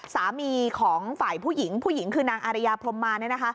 สามีของฝ่ายผู้หญิงผู้หญิงคือนางอาริยาพรมมา